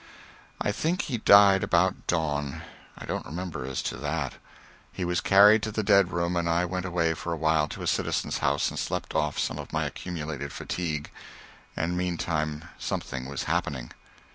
I think he died about dawn, I don't remember as to that. He was carried to the dead room and I went away for a while to a citizen's house and slept off some of my accumulated fatigue and meantime something was happening.